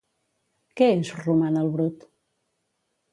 Què és Roman el Brut?